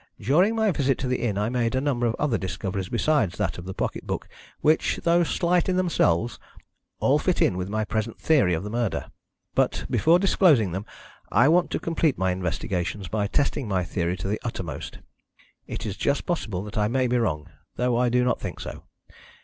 During my visit to the inn I made a number of other discoveries besides that of the pocket book, which, though slight in themselves, all fit in with my present theory of the murder. But before disclosing them, I want to complete my investigations by testing my theory to the uttermost. It is just possible that I may be wrong, though I do not think so.